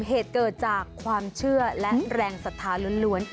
เหตุเกิดจากความเชื่อและแรงศรัทธาล้วน